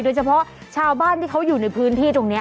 โดยเฉพาะชาวบ้านที่เขาอยู่ในพื้นที่ตรงนี้